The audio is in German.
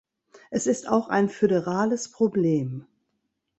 Es ist auch ein föderales Problem.